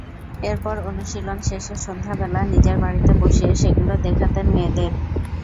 এরপর অনুশীলন শেষে সন্ধ্যা বেলা নিজের বাড়িতে বসিয়ে সেগুলো দেখাতেন মেয়েদের।